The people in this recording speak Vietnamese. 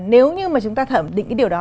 nếu như mà chúng ta thẩm định cái điều đó